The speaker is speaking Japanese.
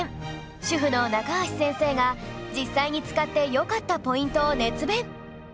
主婦の中橋先生が実際に使って良かったポイントを熱弁